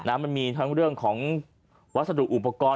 มันมีทั้งเรื่องของวัสดุอุปกรณ์